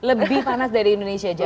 lebih panas dari indonesia aja